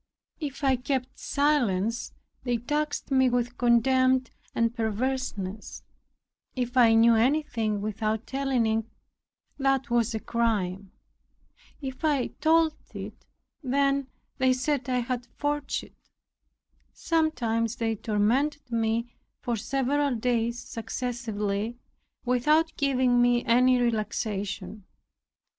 If I kept silence, they taxed me with contempt and perverseness; if I knew anything without telling it, that was a crime; if I told it, then they said I had forged it. Sometimes they tormented me for several days successively, without giving me any relaxation.